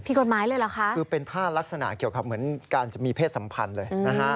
ผิดกฎหมายเลยเหรอคะคือเป็นท่าลักษณะเหมือนการจะมีเพศสัมพันธ์เลย